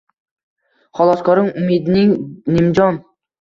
Xaloskorim umidning nimjon